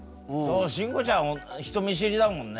慎吾ちゃん人見知りだもんね。